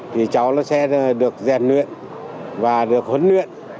thì cháu nó sẽ được rèn luyện và được huấn luyện